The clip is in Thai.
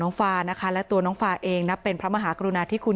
ฟานะคะและตัวน้องฟาเองนับเป็นพระมหากรุณาธิคุณ